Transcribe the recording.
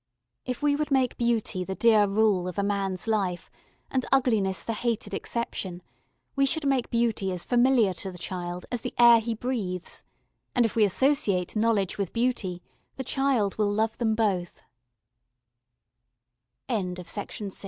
If we would make beauty the dear rule of a man's life, and ugliness the hated exception, we should make beauty as familiar to the child as the air he breathes, and if we associate knowledge with beauty the child will love t